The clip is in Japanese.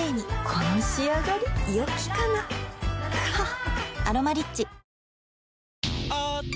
この仕上がりよきかなははっ